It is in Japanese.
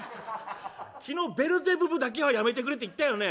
昨日ベルゼブブだけはやめてくれって言ったよね！